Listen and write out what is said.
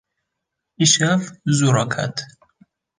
Îşev zû raket.